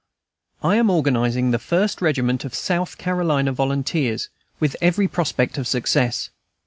I am organizing the First Regiment of South Carolina Volunteers, with every prospect of success.